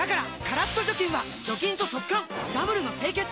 カラッと除菌は除菌と速乾ダブルの清潔！